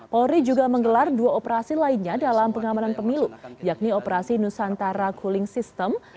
polri juga menggelar dua operasi lainnya dalam pengamanan pemilu yakni operasi nusantara cooling system